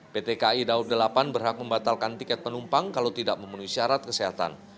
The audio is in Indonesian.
ptki dawab delapan berhak membatalkan tiket penumpang kalau tidak memenuhi syarat kesehatan